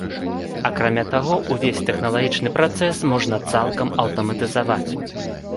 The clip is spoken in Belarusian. Акрамя таго, увесь тэхналагічны працэс можна цалкам аўтаматызаваць.